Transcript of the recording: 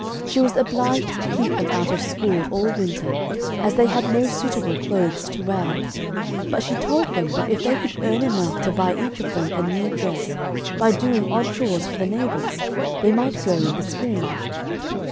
She was obliged to keep them out of school all winter, as they had no suitable clothes to wear, but she told them that if they could earn enough to buy each of them a new dress, by doing odd chores for the neighbors, they might go in the spring.